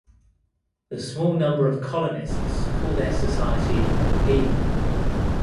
The small number of colonists call their society "Haven".